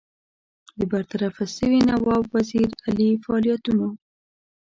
د برطرفه سوي نواب وزیر علي فعالیتونو.